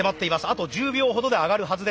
あと１０秒ほどで上がるはずです。